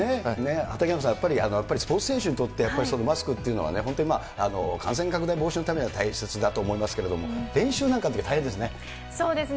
畠山さん、やっぱりスポーツ選手にとって、やっぱりマスクっていうのは、本当に感染拡大防止のためには大切だと思いますけれども、練習なそうですね。